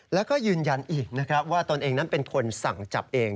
แล้วก็ยืนยันอีกนะครับว่าตนเองนั้นเป็นคนสั่งจับเอง